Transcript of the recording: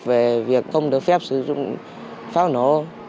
về việc không được phép sử dụng pháo nổ